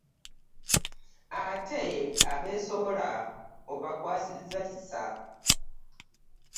Ate abeesobola obakwasizza kisa.